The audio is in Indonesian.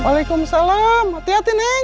waalaikumsalam hati hati neng